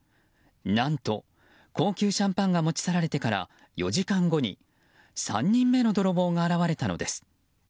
何と、高級シャンパンが持ち去られてから４時間後に３人目の泥棒が現れたのです。